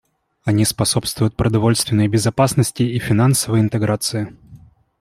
Они способствуют продовольственной безопасности и финансовой интеграции.